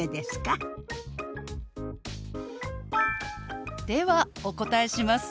ではお答えします。